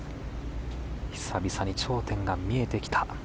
久々に頂点が見えてきた。